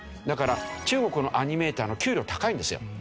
だから中国のアニメーターの給料高いんですよ。